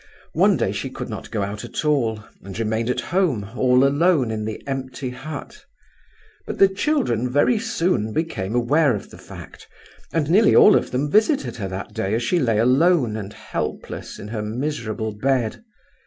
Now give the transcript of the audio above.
One day she could not go out at all, and remained at home all alone in the empty hut; but the children very soon became aware of the fact, and nearly all of them visited her that day as she lay alone and helpless in her miserable bed.